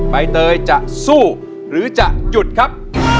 ใบเตยจะสู้หรือจะหยุดครับ